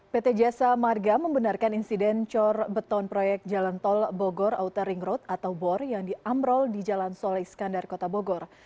pt jasa marga membenarkan insiden cor beton proyek jalan tol bogor outer ring road atau bor yang diamrol di jalan soleh iskandar kota bogor